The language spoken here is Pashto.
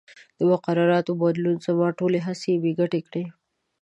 د مقرراتو بدلون زما ټولې هڅې بې ګټې کړې.